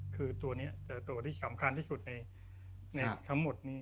คือตัวนี้เจอตัวที่สำคัญที่สุดในทั้งหมดนี้